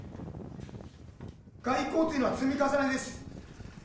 外交というのは積み重ねです。